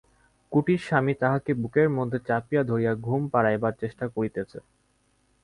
কুটিরস্বামী তাঁহাকে বুকের মধ্যে চাপিয়া ধরিয়া ঘুম পাড়াইবার চেষ্টা করিতেছে।